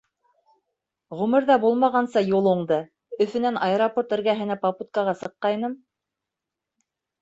— Ғүмерҙә булмағанса юл уңды, Өфөнән аэропорт эргәһенә попуткаға сыҡҡайным.